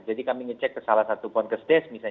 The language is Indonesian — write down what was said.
jadi kami ngecek ke salah satu ponkes des